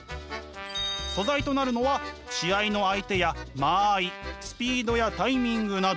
素材となるのは試合の相手や間合いスピードやタイミングなど。